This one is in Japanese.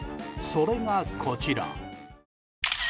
それがこちら。